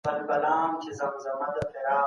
ښايي نوې ټکنالوژي د کاري فرصتونو لامل سي.